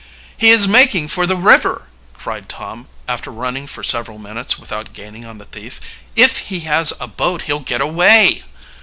"He is making for the river!" cried Tom, after running for several minutes without gaining on the thief. "If he has a boat he'll get away!